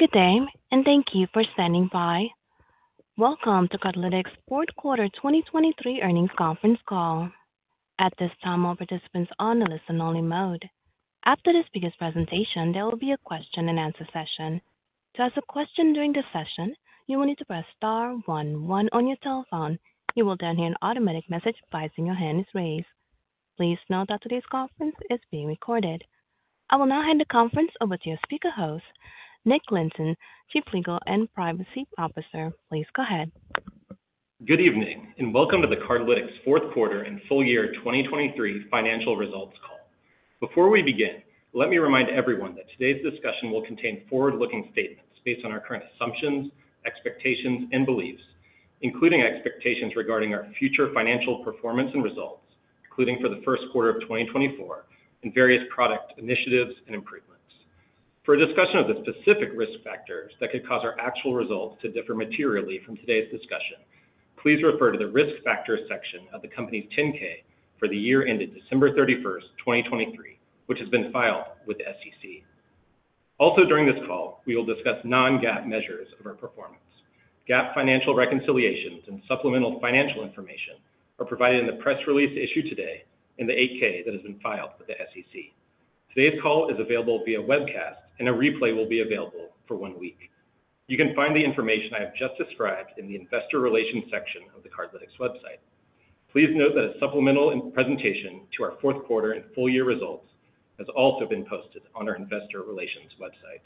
Good day and thank you for standing by. Welcome to Cardlytics' fourth quarter 2023 earnings conference call. At this time, all participants are on a listen-only mode. After this brief presentation, there will be a question-and-answer session. To ask a question during the session, you will need to press star 11 on your telephone. You will then hear an automatic message advising your hand is raised. Please note that today's conference is being recorded. I will now hand the conference over to your speaker host, Nick Lynton, Chief Legal and Privacy Officer. Please go ahead. Good evening and welcome to the Cardlytics' fourth quarter and full year 2023 financial results call. Before we begin, let me remind everyone that today's discussion will contain forward-looking statements based on our current assumptions, expectations, and beliefs, including expectations regarding our future financial performance and results, including for the first quarter of 2024, and various product initiatives and improvements. For a discussion of the specific risk factors that could cause our actual results to differ materially from today's discussion, please refer to the risk factors section of the company's 10-K for the year ended December 31st, 2023, which has been filed with the SEC. Also, during this call, we will discuss non-GAAP measures of our performance. GAAP financial reconciliations and supplemental financial information are provided in the press release issued today in the 8-K that has been filed with the SEC. Today's call is available via webcast, and a replay will be available for one week. You can find the information I have just described in the investor relations section of the Cardlytics website. Please note that a supplemental presentation to our fourth quarter and full year results has also been posted on our investor relations website.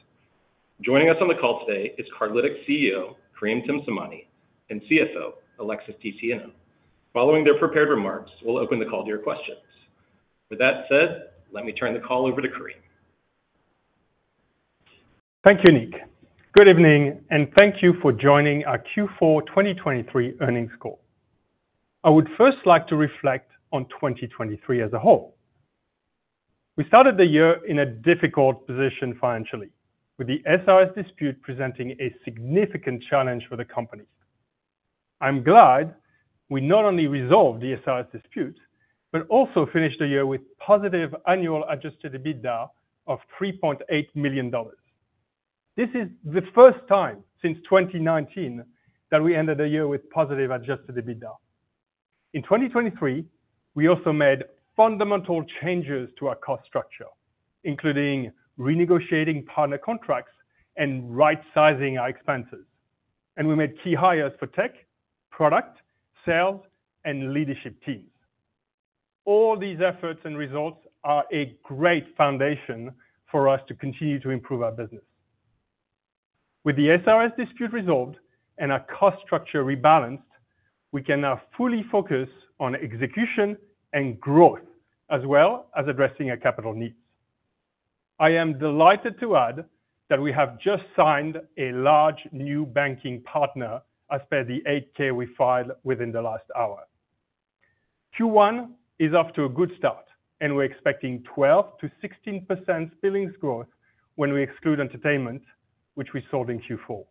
Joining us on the call today is Cardlytics CEO Karim Temsamani and CFO Alexis DeSieno. Following their prepared remarks, we'll open the call to your questions. With that said, let me turn the call over to Karim. Thank you, Nick. Good evening, and thank you for joining our Q4 2023 earnings call. I would first like to reflect on 2023 as a whole. We started the year in a difficult position financially, with the SRS dispute presenting a significant challenge for the company. I'm glad we not only resolved the SRS dispute but also finished the year with positive annual Adjusted EBITDA of $3.8 million. This is the first time since 2019 that we ended the year with positive Adjusted EBITDA. In 2023, we also made fundamental changes to our cost structure, including renegotiating partner contracts and right-sizing our expenses, and we made key hires for tech, product, sales, and leadership teams. All these efforts and results are a great foundation for us to continue to improve our business. With the SRS dispute resolved and our cost structure rebalanced, we can now fully focus on execution and growth, as well as addressing our capital needs. I am delighted to add that we have just signed a large new banking partner as per the 8-K we filed within the last hour. Q1 is off to a good start, and we're expecting 12%-16% spending growth when we exclude entertainment, which we sold in Q4.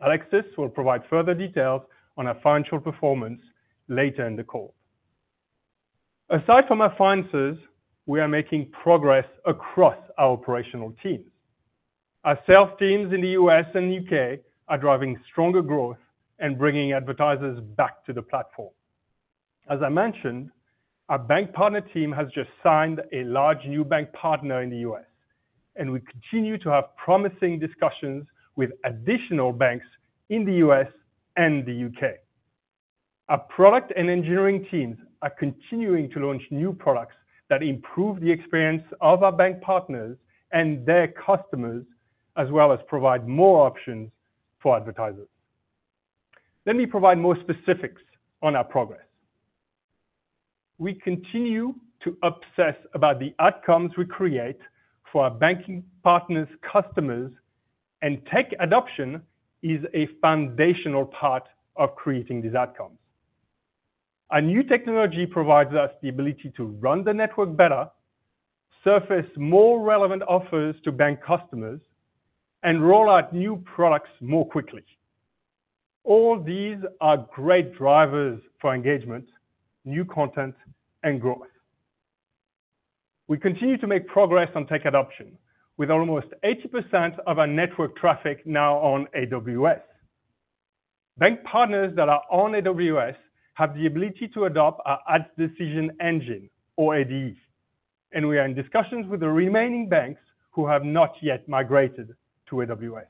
Alexis will provide further details on our financial performance later in the call. Aside from our finances, we are making progress across our operational teams. Our sales teams in the U.S. and U.K. are driving stronger growth and bringing advertisers back to the platform. As I mentioned, our bank partner team has just signed a large new bank partner in the U.S., and we continue to have promising discussions with additional banks in the U.S. and the U.K. Our product and engineering teams are continuing to launch new products that improve the experience of our bank partners and their customers, as well as provide more options for advertisers. Let me provide more specifics on our progress. We continue to obsess about the outcomes we create for our banking partners' customers, and tech adoption is a foundational part of creating these outcomes. Our new technology provides us the ability to run the network better, surface more relevant offers to bank customers, and roll out new products more quickly. All these are great drivers for engagement, new content, and growth. We continue to make progress on tech adoption, with almost 80% of our network traffic now on AWS. Bank partners that are on AWS have the ability to adopt our Ads Decision Engine, or ADE, and we are in discussions with the remaining banks who have not yet migrated to AWS.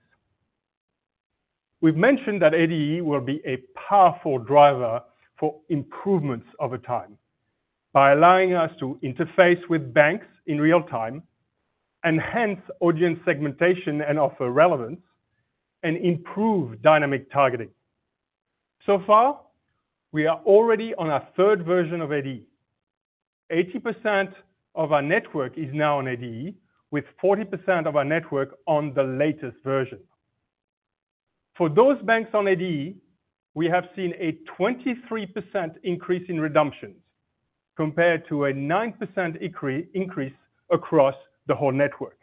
We've mentioned that ADE will be a powerful driver for improvements over time by allowing us to interface with banks in real time, enhance audience segmentation and offer relevance, and improve dynamic targeting. So far, we are already on our third version of ADE. 80% of our network is now on ADE, with 40% of our network on the latest version. For those banks on ADE, we have seen a 23% increase in redemptions compared to a 9% increase across the whole network.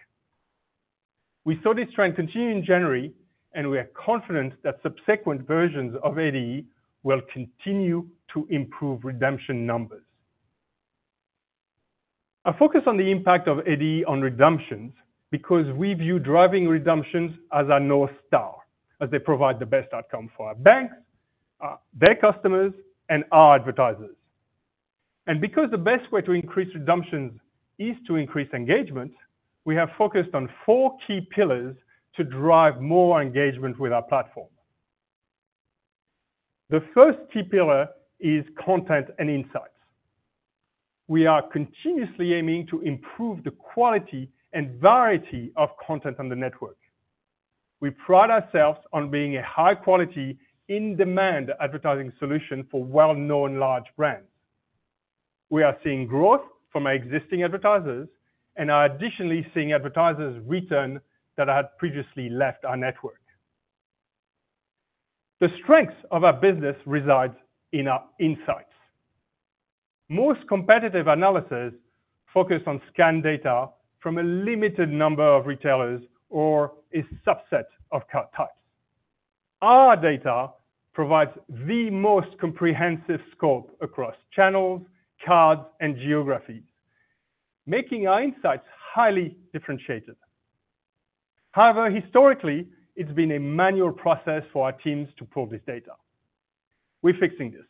We saw this trend continue in January, and we are confident that subsequent versions of ADE will continue to improve redemption numbers. I focus on the impact of ADE on redemptions because we view driving redemptions as our North Star, as they provide the best outcome for our banks, their customers, and our advertisers. Because the best way to increase redemptions is to increase engagement, we have focused on four key pillars to drive more engagement with our platform. The first key pillar is content and insights. We are continuously aiming to improve the quality and variety of content on the network. We pride ourselves on being a high-quality, in-demand advertising solution for well-known large brands. We are seeing growth from our existing advertisers, and are additionally seeing advertisers return that had previously left our network. The strengths of our business reside in our insights. Most competitive analysis focused on scan data from a limited number of retailers or a subset of card types. Our data provides the most comprehensive scope across channels, cards, and geographies, making our insights highly differentiated. However, historically, it's been a manual process for our teams to pull this data. We're fixing this.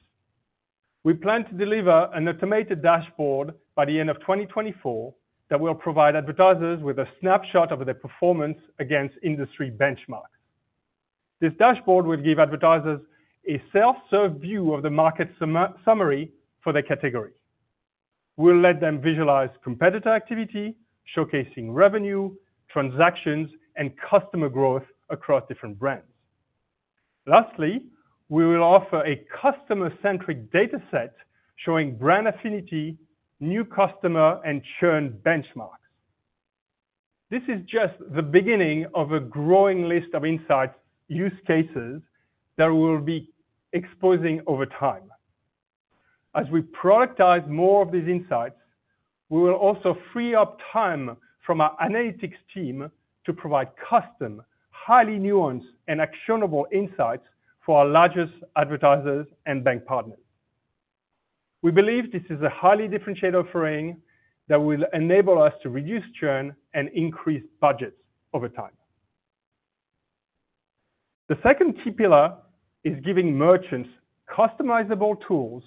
We plan to deliver an automated dashboard by the end of 2024 that will provide advertisers with a snapshot of their performance against industry benchmarks. This dashboard would give advertisers a self-serve view of the market summary for their category. We'll let them visualize competitor activity, showcasing revenue, transactions, and customer growth across different brands. Lastly, we will offer a customer-centric dataset showing brand affinity, new customer, and churn benchmarks. This is just the beginning of a growing list of insights use cases that we will be exposing over time. As we productize more of these insights, we will also free up time from our analytics team to provide custom, highly nuanced, and actionable insights for our largest advertisers and bank partners. We believe this is a highly differentiated offering that will enable us to reduce churn and increase budgets over time. The second key pillar is giving merchants customizable tools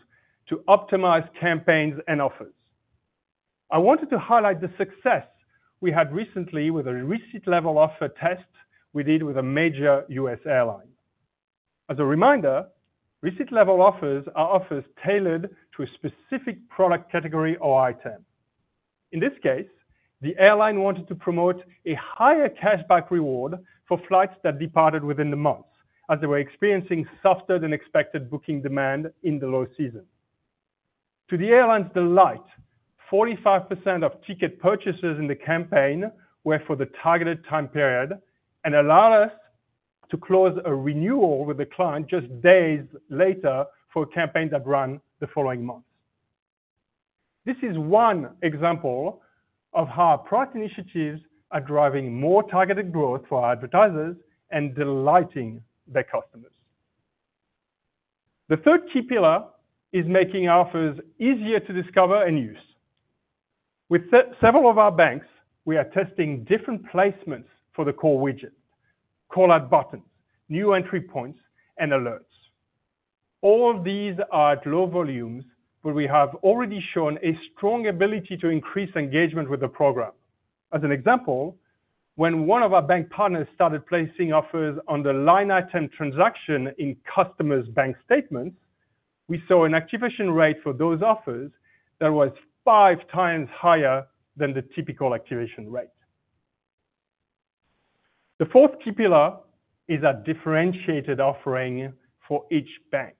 to optimize campaigns and offers. I wanted to highlight the success we had recently with a receipt-level offer test we did with a major U.S. airline. As a reminder, receipt-level offers are offers tailored to a specific product category or item. In this case, the airline wanted to promote a higher cashback reward for flights that departed within the months, as they were experiencing softer than expected booking demand in the low season. To the airline's delight, 45% of ticket purchases in the campaign were for the targeted time period and allowed us to close a renewal with the client just days later for a campaign that ran the following months. This is one example of how our product initiatives are driving more targeted growth for our advertisers and delighting their customers. The third key pillar is making our offers easier to discover and use. With several of our banks, we are testing different placements for the core widget, call-out buttons, new entry points, and alerts. All of these are at low volumes, but we have already shown a strong ability to increase engagement with the program. As an example, when one of our bank partners started placing offers on the line item transaction in customers' bank statements, we saw an activation rate for those offers that was 5 times higher than the typical activation rate. The fourth key pillar is our differentiated offering for each bank.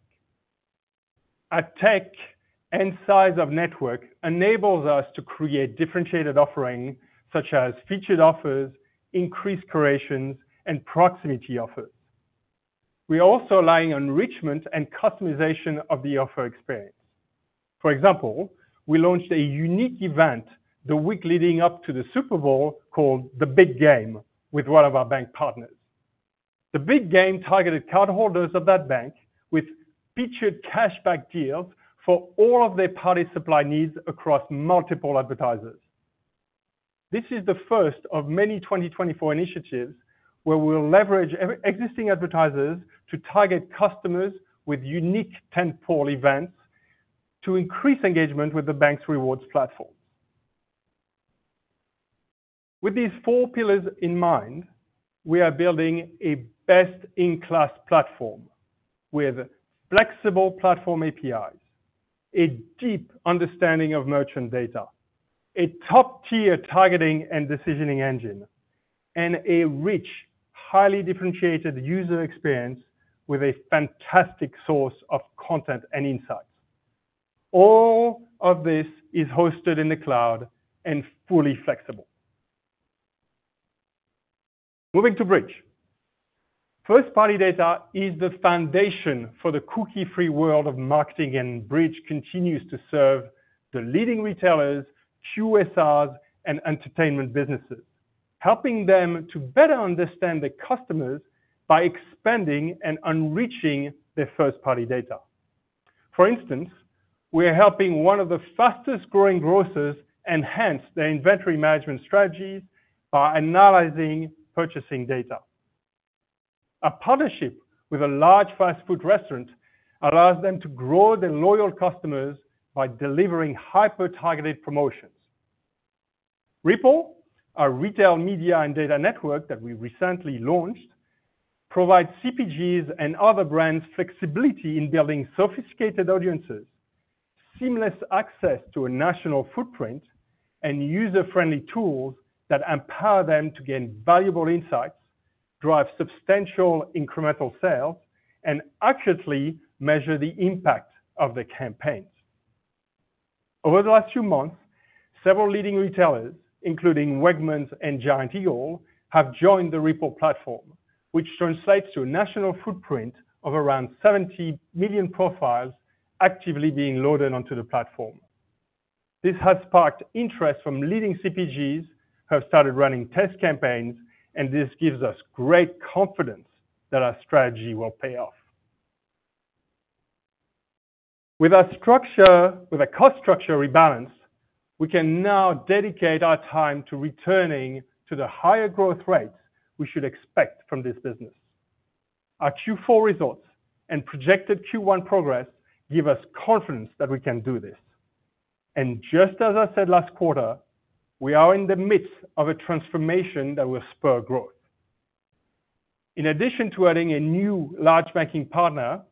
Our tech and size of network enables us to create differentiated offerings such as featured offers, increased curations, and proximity offers. We are also relying on enrichment and customization of the offer experience. For example, we launched a unique event the week leading up to the Super Bowl called The Big Game with one of our bank partners. The Big Game targeted cardholders of that bank with featured cashback deals for all of their party supply needs across multiple advertisers. This is the first of many 2024 initiatives where we will leverage existing advertisers to target customers with unique tent pole events to increase engagement with the bank's rewards platforms. With these four pillars in mind, we are building a best-in-class platform with flexible platform APIs, a deep understanding of merchant data, a top-tier targeting and decisioning engine, and a rich, highly differentiated user experience with a fantastic source of content and insights. All of this is hosted in the cloud and fully flexible. Moving to Bridg. First-party data is the foundation for the cookie-free world of marketing, and Bridg continues to serve the leading retailers, QSRs, and entertainment businesses, helping them to better understand their customers by expanding and enriching their first-party data. For instance, we are helping one of the fastest-growing grocers enhance their inventory management strategies by analyzing purchasing data. Our partnership with a large fast-food restaurant allows them to grow their loyal customers by delivering hyper-targeted promotions. Ripple, our retail media and data network that we recently launched, provides CPGs and other brands flexibility in building sophisticated audiences, seamless access to a national footprint, and user-friendly tools that empower them to gain valuable insights, drive substantial incremental sales, and accurately measure the impact of their campaigns. Over the last few months, several leading retailers, including Wegmans and Giant Eagle, have joined the Ripple platform, which translates to a national footprint of around 70 million profiles actively being loaded onto the platform. This has sparked interest from leading CPGs who have started running test campaigns, and this gives us great confidence that our strategy will pay off. With our structure, with a cost structure rebalanced, we can now dedicate our time to returning to the higher growth rates we should expect from this business. Our Q4 results and projected Q1 progress give us confidence that we can do this. Just as I said last quarter, we are in the midst of a transformation that will spur growth. In addition to adding a new large banking partner,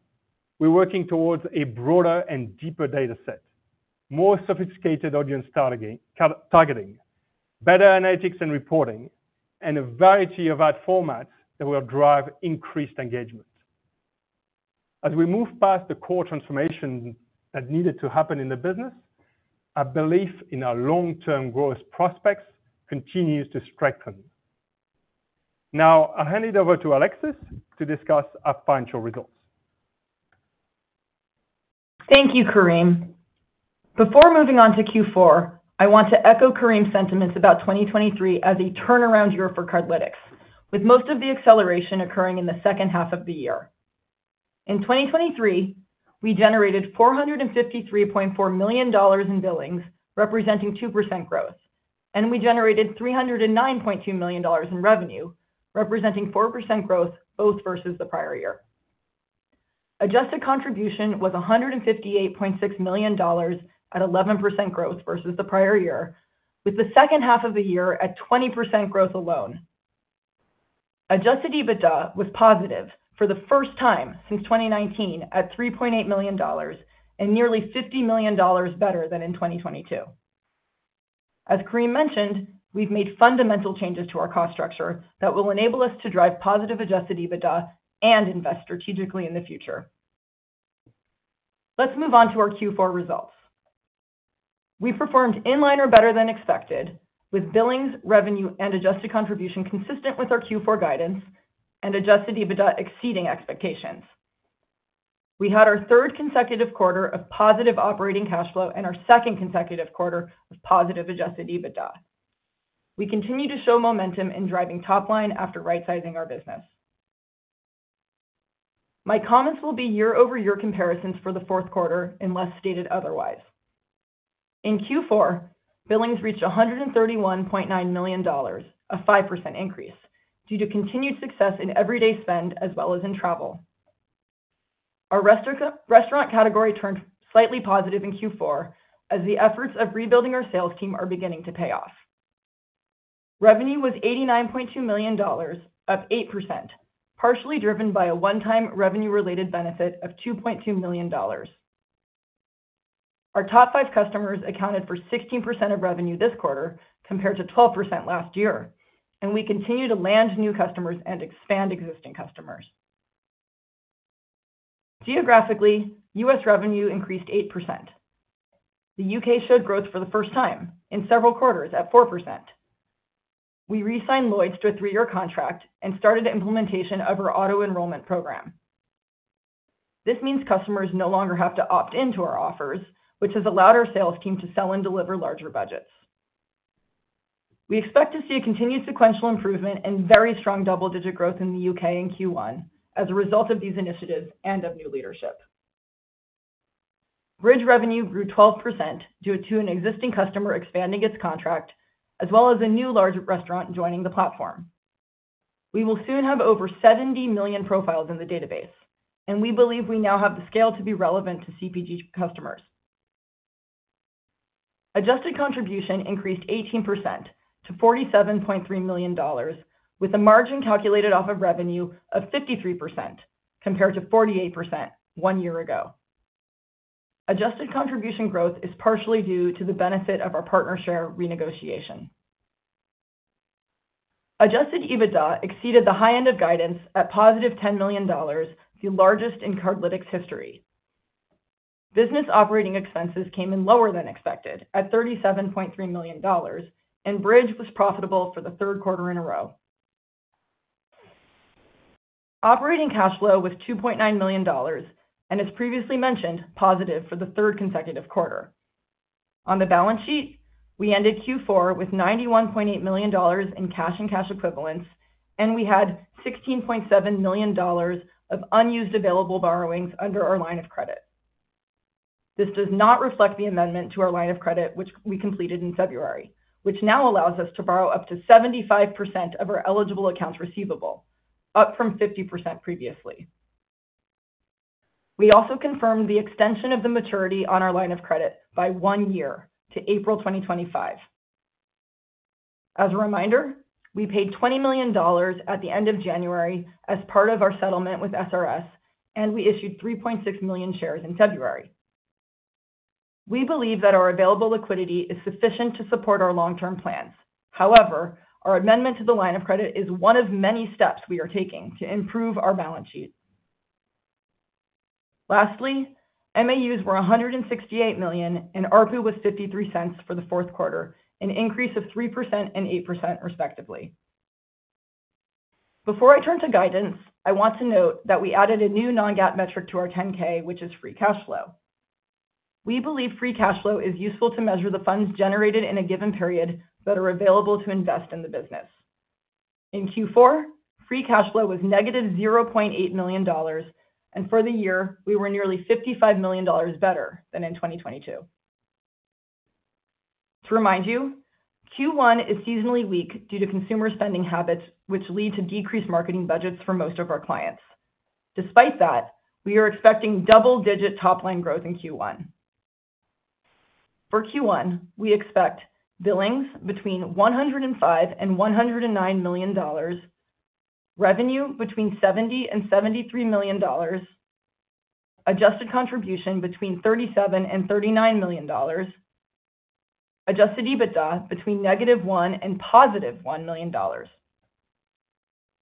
we're working towards a broader and deeper dataset, more sophisticated audience targeting, better analytics and reporting, and a variety of ad formats that will drive increased engagement. As we move past the core transformation that needed to happen in the business, our belief in our long-term growth prospects continues to strengthen. Now, I'll hand it over to Alexis to discuss our financial results. Thank you, Karim. Before moving on to Q4, I want to echo Karim's sentiments about 2023 as a turnaround year for Cardlytics, with most of the acceleration occurring in the second half of the year. In 2023, we generated $453.4 million in Billings, representing 2% growth, and we generated $309.2 million in revenue, representing 4% growth both versus the prior year. Adjusted Contribution was $158.6 million at 11% growth versus the prior year, with the second half of the year at 20% growth alone. Adjusted EBITDA was positive for the first time since 2019 at $3.8 million and nearly $50 million better than in 2022. As Karim mentioned, we've made fundamental changes to our cost structure that will enable us to drive positive Adjusted EBITDA and invest strategically in the future. Let's move on to our Q4 results. We performed in line or better than expected, with billings, revenue, and adjusted contribution consistent with our Q4 guidance and adjusted EBITDA exceeding expectations. We had our third consecutive quarter of positive operating cash flow and our second consecutive quarter of positive adjusted EBITDA. We continue to show momentum in driving top line after right-sizing our business. My comments will be year-over-year comparisons for the fourth quarter unless stated otherwise. In Q4, billings reached $131.9 million, a 5% increase due to continued success in everyday spend as well as in travel. Our restaurant category turned slightly positive in Q4 as the efforts of rebuilding our sales team are beginning to pay off. Revenue was $89.2 million up 8%, partially driven by a one-time revenue-related benefit of $2.2 million. Our top five customers accounted for 16% of revenue this quarter compared to 12% last year, and we continue to land new customers and expand existing customers. Geographically, U.S. revenue increased 8%. The U.K. showed growth for the first time in several quarters at 4%. We re-signed Lloyds to a three-year contract and started implementation of our auto enrollment program. This means customers no longer have to opt into our offers, which has allowed our sales team to sell and deliver larger budgets. We expect to see a continued sequential improvement and very strong double-digit growth in the U.K. in Q1 as a result of these initiatives and of new leadership. Bridg revenue grew 12% due to an existing customer expanding its contract, as well as a new large restaurant joining the platform. We will soon have over 70 million profiles in the database, and we believe we now have the scale to be relevant to CPG customers. Adjusted contribution increased 18% to $47.3 million, with a margin calculated off of revenue of 53% compared to 48% one year ago. Adjusted contribution growth is partially due to the benefit of our partner share renegotiation. Adjusted EBITDA exceeded the high-end of guidance at positive $10 million, the largest in Cardlytics history. Business operating expenses came in lower than expected at $37.3 million, and Bridg was profitable for the third quarter in a row. Operating cash flow was $2.9 million and, as previously mentioned, positive for the third consecutive quarter. On the balance sheet, we ended Q4 with $91.8 million in cash and cash equivalents, and we had $16.7 million of unused available borrowings under our line of credit. This does not reflect the amendment to our line of credit, which we completed in February, which now allows us to borrow up to 75% of our eligible accounts receivable, up from 50% previously. We also confirmed the extension of the maturity on our line of credit by one year to April 2025. As a reminder, we paid $20 million at the end of January as part of our settlement with SRS, and we issued 3.6 million shares in February. We believe that our available liquidity is sufficient to support our long-term plans. However, our amendment to the line of credit is one of many steps we are taking to improve our balance sheet. Lastly, MAUs were 168 million and ARPU was $0.53 for the fourth quarter, an increase of 3% and 8% respectively. Before I turn to guidance, I want to note that we added a new non-GAAP metric to our 10-K, which is free cash flow. We believe free cash flow is useful to measure the funds generated in a given period that are available to invest in the business. In Q4, free cash flow was -$0.8 million, and for the year, we were nearly $55 million better than in 2022. To remind you, Q1 is seasonally weak due to consumer spending habits, which lead to decreased marketing budgets for most of our clients. Despite that, we are expecting double-digit top line growth in Q1. For Q1, we expect billings between $105-$109 million, revenue between $70-$73 million, adjusted contribution between $37-$39 million, adjusted EBITDA between -$1 and +$1 million.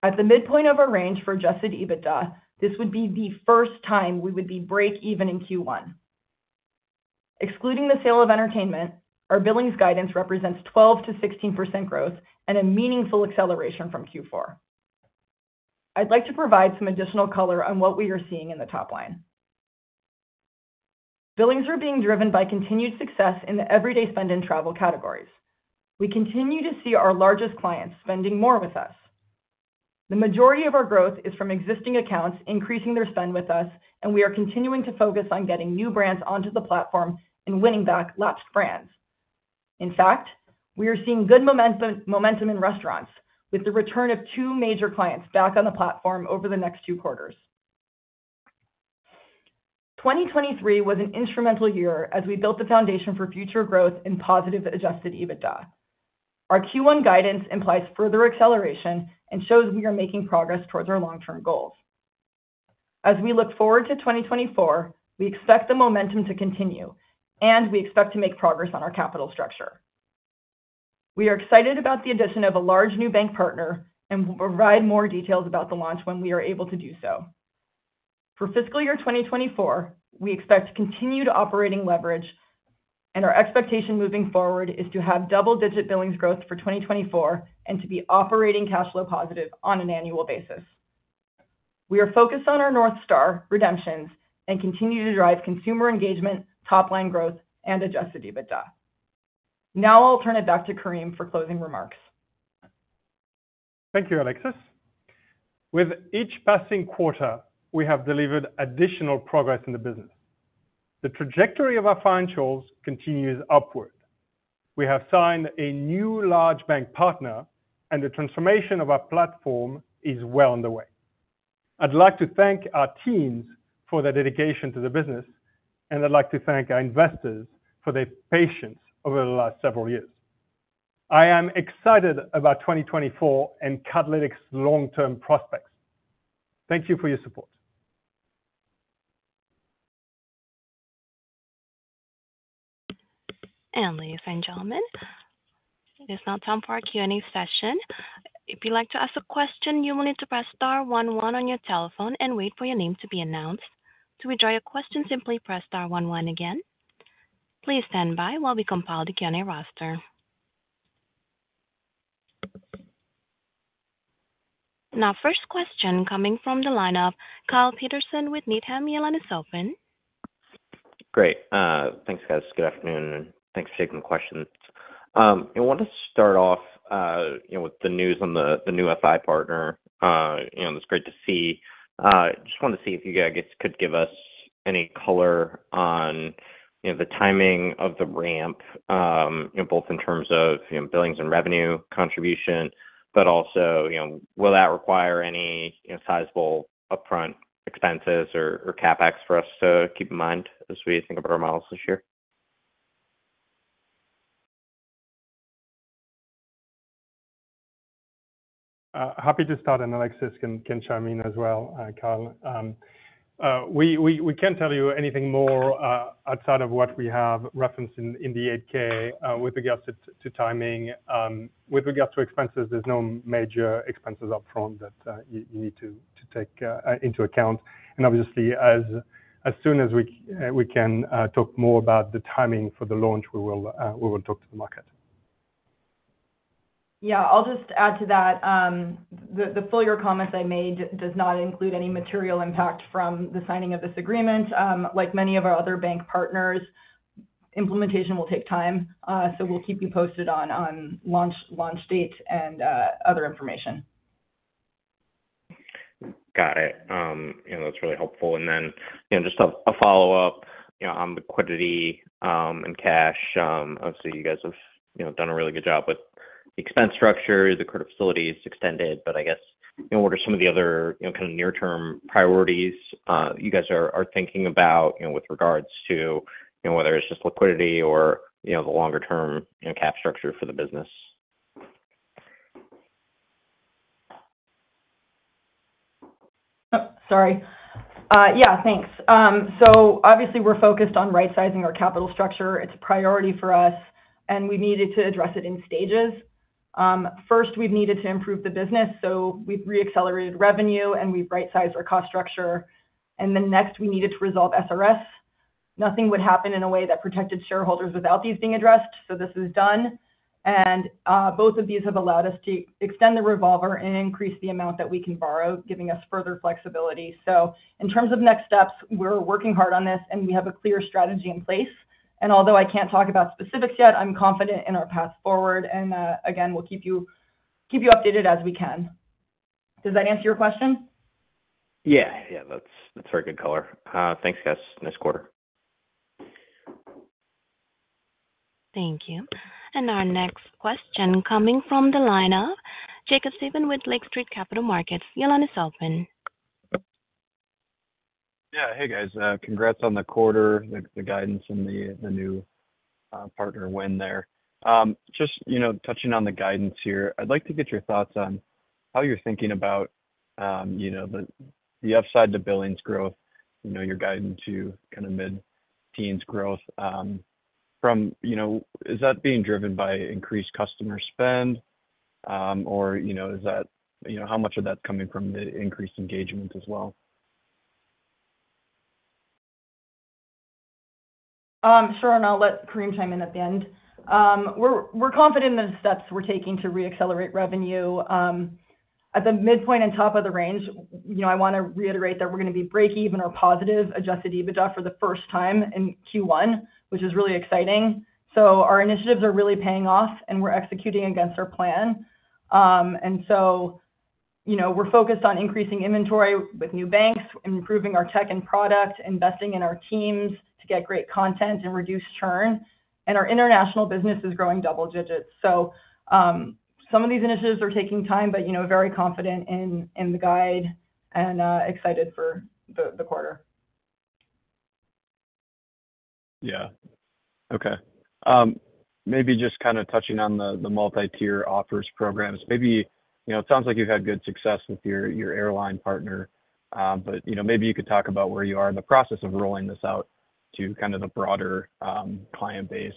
At the midpoint of our range for Adjusted EBITDA, this would be the first time we would be break-even in Q1. Excluding the sale of entertainment, our billings guidance represents 12%-16% growth and a meaningful acceleration from Q4. I'd like to provide some additional color on what we are seeing in the top line. Billings are being driven by continued success in the everyday spend and travel categories. We continue to see our largest clients spending more with us. The majority of our growth is from existing accounts increasing their spend with us, and we are continuing to focus on getting new brands onto the platform and winning back lapsed brands. In fact, we are seeing good momentum in restaurants, with the return of two major clients back on the platform over the next two quarters. 2023 was an instrumental year as we built the foundation for future growth in positive Adjusted EBITDA. Our Q1 guidance implies further acceleration and shows we are making progress towards our long-term goals. As we look forward to 2024, we expect the momentum to continue, and we expect to make progress on our capital structure. We are excited about the addition of a large new bank partner, and we'll provide more details about the launch when we are able to do so. For fiscal year 2024, we expect continued operating leverage, and our expectation moving forward is to have double-digit billings growth for 2024 and to be operating cash flow positive on an annual basis. We are focused on our North Star, redemptions, and continue to drive consumer engagement, top line growth, and Adjusted EBITDA. Now I'll turn it back to Karim for closing remarks. Thank you, Alexis. With each passing quarter, we have delivered additional progress in the business. The trajectory of our financials continues upward. We have signed a new large bank partner, and the transformation of our platform is well on the way. I'd like to thank our teams for their dedication to the business, and I'd like to thank our investors for their patience over the last several years. I am excited about 2024 and Cardlytics' long-term prospects. Thank you for your support. And ladies and gentlemen, it is now time for our Q&A session. If you'd like to ask a question, you will need to press star 11 on your telephone and wait for your name to be announced. To withdraw your question, simply press star 11 again. Please stand by while we compile the Q&A roster. Now, first question coming from the line of Kyle Peterson with Needham, line is open. Great. Thanks, guys. Good afternoon, and thanks for taking the questions. I want to start off with the news on the new FI partner. It's great to see. Just wanted to see if you guys could give us any color on the timing of the ramp, both in terms of billings and revenue contribution, but also, will that require any sizable upfront expenses or CapEx for us to keep in mind as we think about our models this year? Happy to start, and Alexis can chime in as well, Kyle. We can't tell you anything more outside of what we have referenced in the 8-K with regards to timing. With regards to expenses, there's no major expenses upfront that you need to take into account. Obviously, as soon as we can talk more about the timing for the launch, we will talk to the market. Yeah, I'll just add to that. The fuller comments I made does not include any material impact from the signing of this agreement. Like many of our other bank partners, implementation will take time, so we'll keep you posted on launch date and other information. Got it. That's really helpful. And then just a follow-up on liquidity and cash. Obviously, you guys have done a really good job with the expense structure. The credit facility is extended, but I guess, what are some of the other kind of near-term priorities you guys are thinking about with regards to whether it's just liquidity or the longer-term cap structure for the business? Oh, sorry. Yeah, thanks. So obviously, we're focused on right-sizing our capital structure. It's a priority for us, and we needed to address it in stages. First, we've needed to improve the business, so we've reaccelerated revenue and we've right-sized our cost structure. Then next, we needed to resolve SRS. Nothing would happen in a way that protected shareholders without these being addressed, so this is done. And both of these have allowed us to extend the revolver and increase the amount that we can borrow, giving us further flexibility. So in terms of next steps, we're working hard on this, and we have a clear strategy in place. And although I can't talk about specifics yet, I'm confident in our path forward. And again, we'll keep you updated as we can. Does that answer your question? Yeah, yeah. That's very good color. Thanks, guys. Nice quarter. Thank you. And our next question coming from the line of Jacob Stephan with Lake Street Capital Markets, line is open. Yeah, hey, guys. Congrats on the quarter, the guidance, and the new partner win there. Just touching on the guidance here, I'd like to get your thoughts on how you're thinking about the upside to Billings growth, your guidance to kind of mid-teens growth. Is that being driven by increased customer spend, or is that how much of that's coming from the increased engagement as well? Sure, and I'll let Karim chime in at the end. We're confident in the steps we're taking to reaccelerate revenue. At the midpoint and top of the range, I want to reiterate that we're going to be break-even or positive Adjusted EBITDA for the first time in Q1, which is really exciting. So our initiatives are really paying off, and we're executing against our plan. And so we're focused on increasing inventory with new banks, improving our tech and product, investing in our teams to get great content and reduce churn. And our international business is growing double digits. So some of these initiatives are taking time, but very confident in the guide and excited for the quarter. Yeah. Okay. Maybe just kind of touching on the multi-tier offers programs. It sounds like you've had good success with your airline partner, but maybe you could talk about where you are in the process of rolling this out to kind of the broader client base.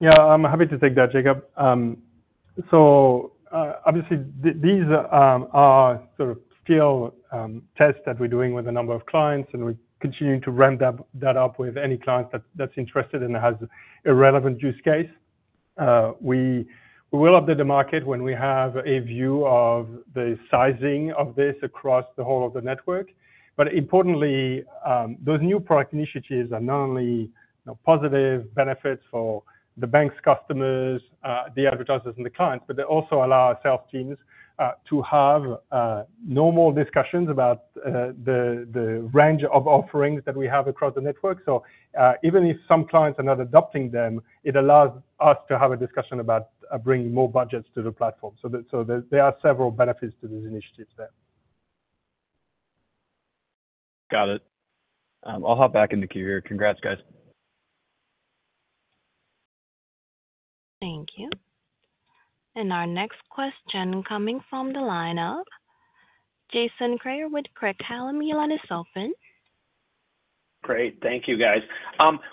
Yeah, I'm happy to take that, Jacob. So obviously, these are sort of still tests that we're doing with a number of clients, and we're continuing to ramp that up with any client that's interested and has a relevant use case. We will update the market when we have a view of the sizing of this across the whole of the network. But importantly, those new product initiatives are not only positive benefits for the bank's customers, the advertisers, and the clients, but they also allow our sales teams to have normal discussions about the range of offerings that we have across the network. So even if some clients are not adopting them, it allows us to have a discussion about bringing more budgets to the platform. So there are several benefits to these initiatives there. Got it. I'll hop back into Q here. Congrats, guys. Thank you. And our next question coming from the line of Jason Kreyer with Craig-Hallum, line is open. Great. Thank you, guys.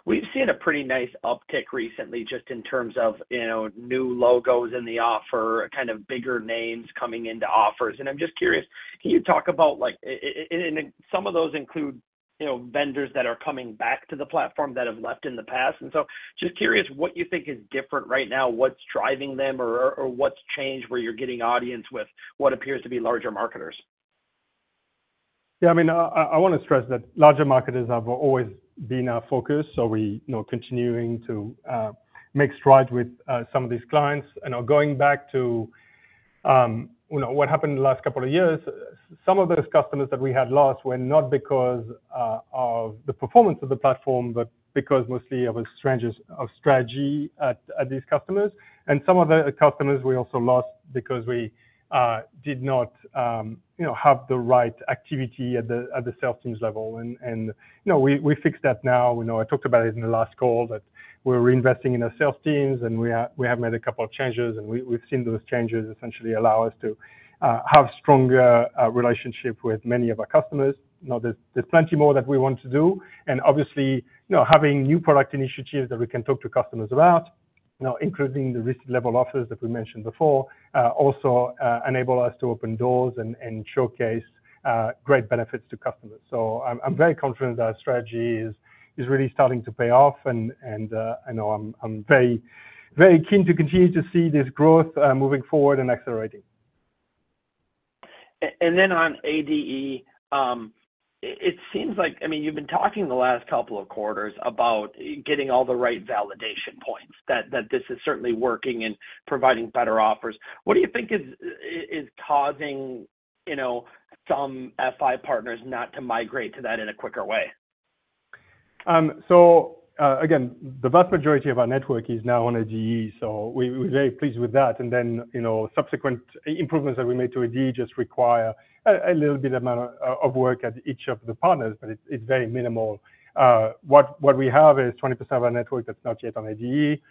We've seen a pretty nice uptick recently just in terms of new logos in the offer, kind of bigger names coming into offers. And I'm just curious, can you talk about and some of those include vendors that are coming back to the platform that have left in the past. And so just curious what you think is different right now, what's driving them, or what's changed where you're getting audience with what appears to be larger marketers. Yeah, I mean, I want to stress that larger marketers have always been our focus, so we're continuing to make strides with some of these clients. And going back to what happened the last couple of years, some of those customers that we had lost were not because of the performance of the platform, but because mostly of a strange strategy at these customers. Some of the customers we also lost because we did not have the right activity at the sales teams level. We fixed that now. I talked about it in the last call that we're reinvesting in our sales teams, and we have made a couple of changes. We've seen those changes essentially allow us to have a stronger relationship with many of our customers. There's plenty more that we want to do. Obviously, having new product initiatives that we can talk to customers about, including the receipt-level offers that we mentioned before, also enable us to open doors and showcase great benefits to customers. I'm very confident that our strategy is really starting to pay off, and I'm very keen to continue to see this growth moving forward and accelerating. And then on ADE, it seems like I mean, you've been talking the last couple of quarters about getting all the right validation points, that this is certainly working and providing better offers. What do you think is causing some FI partners not to migrate to that in a quicker way? So again, the vast majority of our network is now on ADE, so we're very pleased with that. And then subsequent improvements that we made to ADE just require a little bit of work at each of the partners, but it's very minimal. What we have is 20% of our network that's not yet on ADE,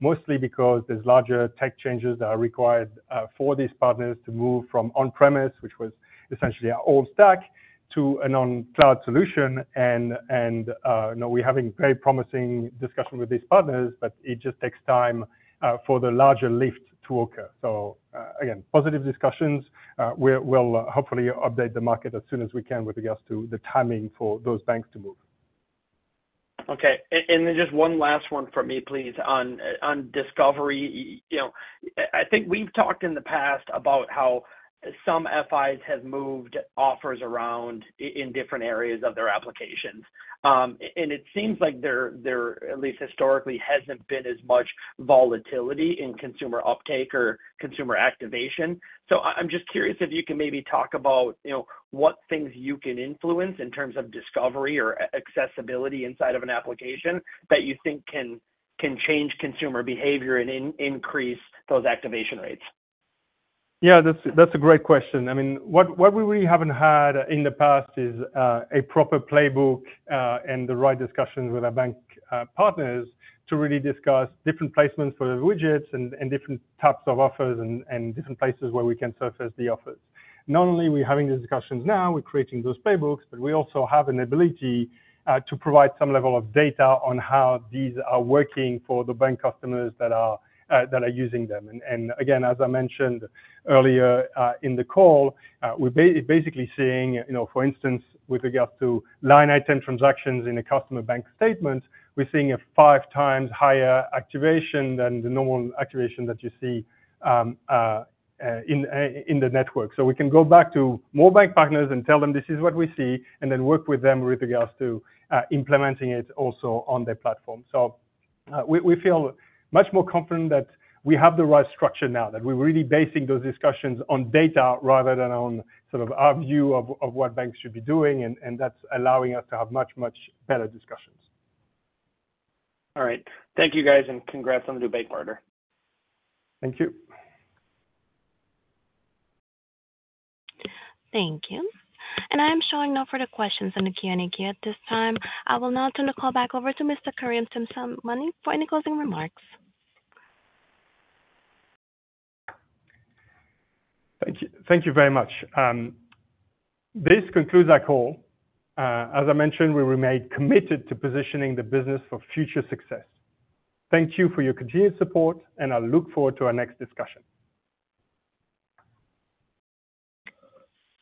mostly because there's larger tech changes that are required for these partners to move from on-premise, which was essentially our old stack, to an on-cloud solution. And we're having very promising discussions with these partners, but it just takes time for the larger lift to occur. So again, positive discussions. We'll hopefully update the market as soon as we can with regards to the timing for those banks to move. Okay. And then just one last one from me, please, on discovery. I think we've talked in the past about how some FIs have moved offers around in different areas of their applications. And it seems like there, at least historically, hasn't been as much volatility in consumer uptake or consumer activation. So I'm just curious if you can maybe talk about what things you can influence in terms of discovery or accessibility inside of an application that you think can change consumer behavior and increase those activation rates. Yeah, that's a great question. I mean, what we really haven't had in the past is a proper playbook and the right discussions with our bank partners to really discuss different placements for the widgets and different types of offers and different places where we can surface the offers. Not only are we having these discussions now, we're creating those playbooks, but we also have an ability to provide some level of data on how these are working for the bank customers that are using them. And again, as I mentioned earlier in the call, we're basically seeing, for instance, with regards to line item transactions in a customer bank statement, we're seeing a 5 times higher activation than the normal activation that you see in the network. So we can go back to more bank partners and tell them, "This is what we see," and then work with them with regards to implementing it also on their platform. So we feel much more confident that we have the right structure now, that we're really basing those discussions on data rather than on sort of our view of what banks should be doing. And that's allowing us to have much, much better discussions. All right. Thank you, guys, and congrats on the new bank partner. Thank you. Thank you. And I am showing no further questions in the Q&A queue at this time. I will now turn the call back over to Mr. Karim Temsamani for any closing remarks. Thank you very much. This concludes our call. As I mentioned, we remain committed to positioning the business for future success. Thank you for your continued support, and I look forward to our next discussion.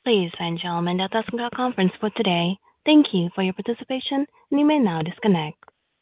Please, and gentlemen, that does conclude our conference for today. Thank you for your participation, and you may now disconnect.